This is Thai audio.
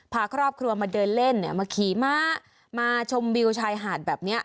พาครอบครัวมาเดินเล่นมาขี่ม้ามาชมวิวชายหาดแบบนี้